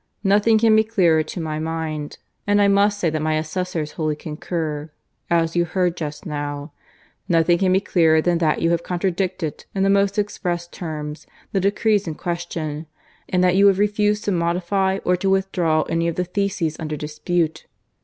Nothing can be clearer to my mind and I must say that my assessors wholly concur, as you heard just now nothing can be clearer than that you have contradicted in the most express terms the decrees in question, and that you have refused to modify or to withdraw any of the theses under dispute.